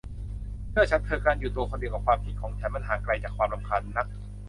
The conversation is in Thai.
เชื่อฉันเถอะ การอยู่ตัวคนเดียวกับความคิดของฉัน มันห่างไกลจากความรำคาญนัก